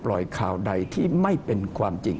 การกุข่าวแต่งข่าวขึ้นโดยรู้อยู่ว่าไม่เป็นความจริง